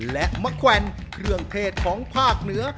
และมะแกวนเครื่องเทศของภาคเหนือ